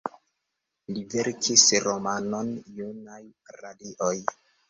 Li verkis romanon, "Junaj radioj".